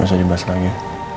gak usah dibahas lagi